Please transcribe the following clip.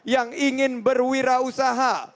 yang ingin berwirausaha